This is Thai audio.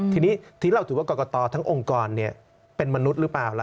ทีนี้ทีนี้เราถือว่ากรกตทั้งองค์กรเป็นมนุษย์หรือเปล่าล่ะ